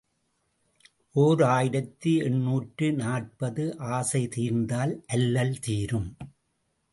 ஓர் ஆயிரத்து எண்ணூற்று நாற்பது ஆசை தீர்ந்தால் அல்லல் தீரும்.